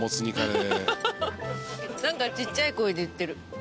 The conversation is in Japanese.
何かちっちゃい声で言ってる。